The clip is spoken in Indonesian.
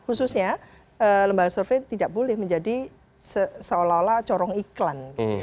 khususnya lembaga survei tidak boleh menjadi seolah olah corong iklan